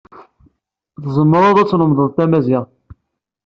Tzemreḍ ad tlemdeḍ tamaziɣt.